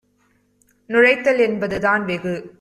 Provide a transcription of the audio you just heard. நுழைத்தல் என்பதுதான் - வெகு